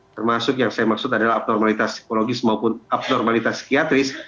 termasuk yang saya maksud adalah abnormalitas psikologis maupun abnormalitas psikiatris